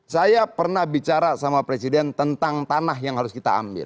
saya pernah bicara sama presiden tentang tanah yang harus kita ambil